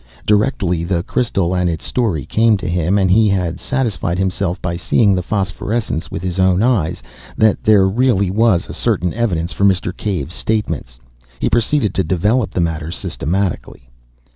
Directly the crystal and its story came to him, and he had satisfied himself, by seeing the phosphorescence with his own eyes, that there really was a certain evidence for Mr. Cave's statements, he proceeded to develop the matter systematically.